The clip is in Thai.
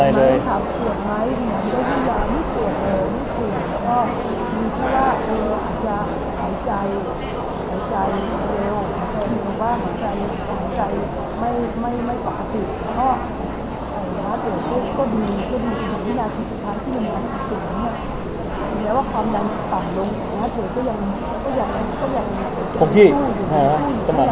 เป็นตัวการดูกสิ่งที่สักครู่